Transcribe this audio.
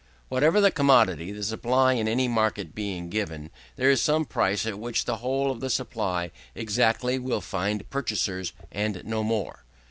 Whatever be the commodity the supply in any market being given, there is some price at which the whole of the supply exactly will find purchasers, and no more.